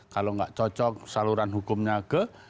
kalau nggak cocok saluran hukumnya ke